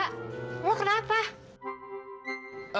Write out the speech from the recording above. laura lo kenapa